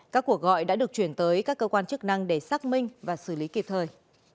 các cuộc gọi đã được chuyển tới các cơ quan chức năng để xác minh và xử lý kịp thời